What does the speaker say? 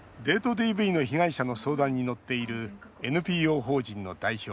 ＤＶの被害者の相談に乗っているＮＰＯ法人の代表